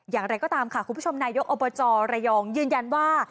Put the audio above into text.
อย่างไรก็ตามค่ะคุณผู้ชมนายกอบจระยองยืนยันว่า